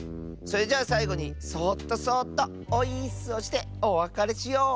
それじゃあさいごにそっとそっとオイーッスをしておわかれしよう。